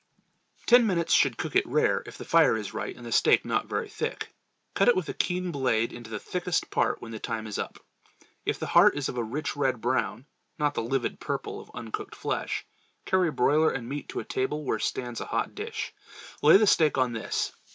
Ten minutes should cook it rare, if the fire is right and the steak not very thick. Cut with a keen blade into the thickest part when the time is up. If the heart is of a rich red brown—not the livid purple of uncooked flesh, carry broiler and meat to a table where stands a hot dish. Lay the steak on this.